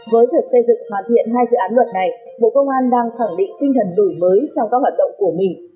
với việc xây dựng hoàn thiện hai dự án luật này bộ công an đang khẳng định tinh thần đổi mới trong các hoạt động của mình